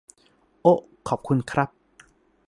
โอ๊ะ ขอบคุณครับ